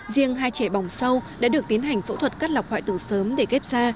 riêng hai trẻ bỏng sâu đã được tiến hành phẫu thuật cắt lọc hoại tử sớm để kép ra